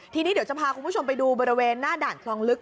ทีนี้เดี๋ยวจะพาคุณผู้ชมไปดูบริเวณหน้าด่านคลองลึก